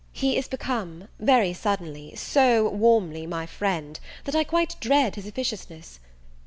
He is become, very suddenly, so warmly my friend, that I quite dread his officiousness.